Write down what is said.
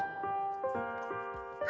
「あ！」